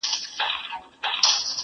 نوري یې مه پریږدی د چا لښکري!.